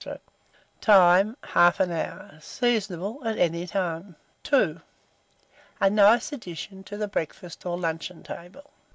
Time. 1/2 hour. Seasonable at any time. II. (A nice addition to the Breakfast or Luncheon table.)